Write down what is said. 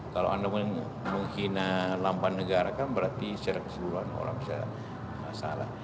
kalau anda menghina lambang negara kan berarti secara keseluruhan orang masalah